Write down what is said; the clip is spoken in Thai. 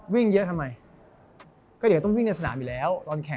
วิ่งเยอะทำไมก็เดี๋ยวต้องวิ่งในสนามอยู่แล้วตอนแข่ง